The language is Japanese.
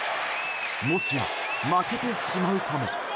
もしや、負けてしまうかも。